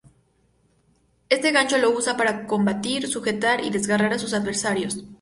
Este gancho lo usa para combatir, sujetar y desgarrar a sus adversarios.